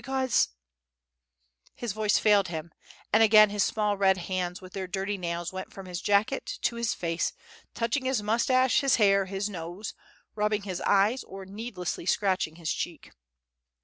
. because " His voice failed him, and again his small red hands with their dirty nails went from his jacket to his face, touching his moustache, his hair, his nose, rubbing his eyes, or needlessly scratching his cheek.